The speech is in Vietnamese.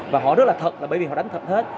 và họ rất là thật là bởi vì họ đánh thật hết